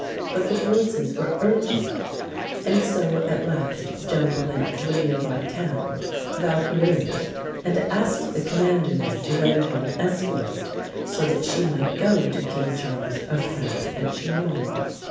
But the Voices were urgent, and so at last Joan went to a nearby town, Vaucouleurs, and asked the commander there to lend her an escort, so that she might go to King Charles of France at Chinon (Shee nong).